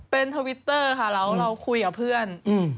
เป็นทวิตเตอร์ค่ะแล้วเราคุยกับเพื่อน